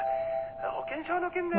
「保険証の件で」